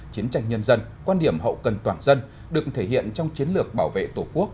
chiến tranh nhân dân quan điểm hậu cần toàn dân được thể hiện trong chiến lược bảo vệ tổ quốc